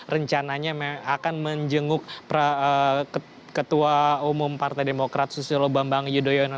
rencananya akan menjenguk ketua umum partai demokrat susilo bambang yudhoyono